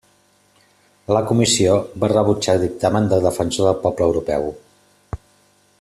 La Comissió va rebutjar el dictamen del Defensor del Poble Europeu.